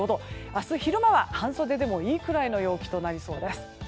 明日昼間は半袖でもいいくらいの陽気となりそうです。